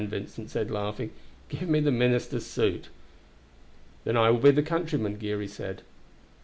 Vincent said laughing; "give me the minister's suit." "Then I will be the countryman," Geary said.